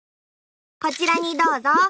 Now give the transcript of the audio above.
こちらにどうぞ。